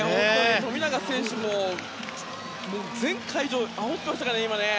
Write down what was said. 富永選手も全会場をあおっていましたからね。